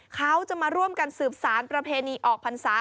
เขาจะมาร่วมกันสืบสารประเพณีออกพรรษา